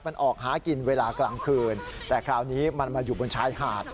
มันออกหากินเวลากลางคืนแต่คราวนี้มันมาอยู่บนชายหาด